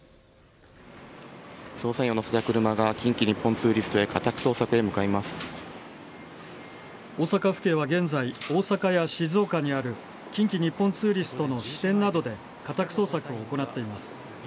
捜査員を乗せた車が近畿日本ツーリストへ大阪府警は現在大阪や静岡にある近畿日本ツーリストの支店などで家宅捜索を行っています。